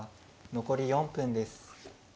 残り４分です。